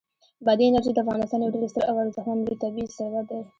بادي انرژي د افغانستان یو ډېر ستر او ارزښتمن ملي طبعي ثروت دی.